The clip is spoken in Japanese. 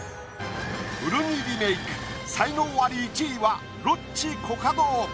古着リメイク才能アリ１位はロッチ・コカド。